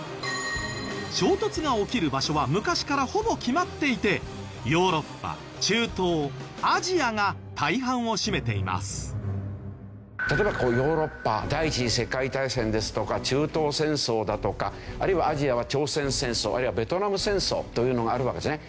衝突が起きる場所は昔からほぼ決まっていて例えばヨーロッパ第一次世界大戦ですとか中東戦争だとかあるいはアジアは朝鮮戦争あるいはベトナム戦争というのがあるわけですね。